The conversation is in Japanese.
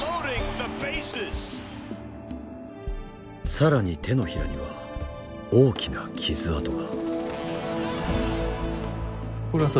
更に手のひらには大きな傷痕が。